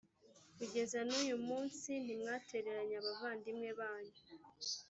kugeza n uyu munsi ntimwatereranye abavandimwe banyu